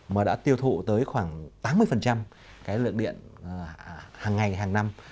mà đã tiêu thụ tới khoảng tám mươi cái lượng điện hàng ngày hàng năm